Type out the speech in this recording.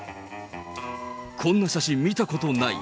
こんな写真、見たことない。